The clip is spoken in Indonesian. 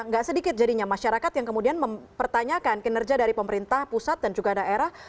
gak sedikit jadinya masyarakat yang kemudian mempertanyakan kinerja dari pemerintah pusat dan juga daerah